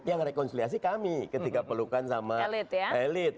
yang rekonsiliasi kami ketika pelukan sama elit